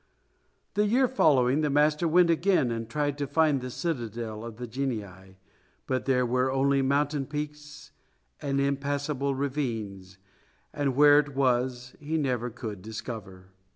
The year following the master went again and tried to find the citadel of the genii, but there were only mountain peaks and impassable ravines, and where it was he never could discover.